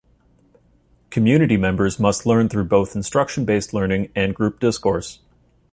Community members must learn through both instruction-based learning and group discourse.